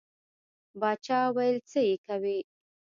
باچا ویل څه یې کوې.